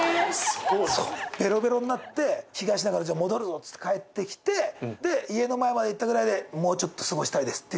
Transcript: ベロベロになって東中野戻るぞ！って帰ってきて家の前まで行ったぐらいで「もうちょっと過ごしたいです」。